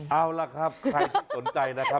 เอาล่ะครับใครที่สนใจนะครับ